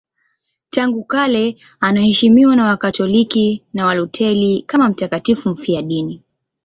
Tangu kale anaheshimiwa na Wakatoliki na Walutheri kama mtakatifu mfiadini.